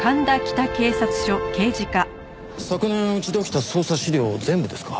昨年うちで起きた捜査資料を全部ですか？